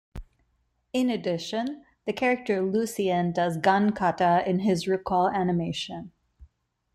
In addition, the character Lucian does Gun Kata in his recall animation.